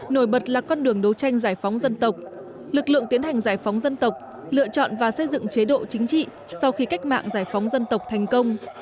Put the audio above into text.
nổi bật là con đường đấu tranh giải phóng dân tộc lực lượng tiến hành giải phóng dân tộc lựa chọn và xây dựng chế độ chính trị sau khi cách mạng giải phóng dân tộc thành công